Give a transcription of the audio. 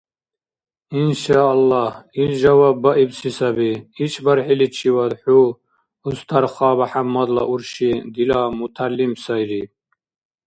Иншааллагь, ил жаваб баибси саби: ишбархӀиличивад хӀу, Устарха БяхӀяммадла урши, дила мутагӀялим сайри.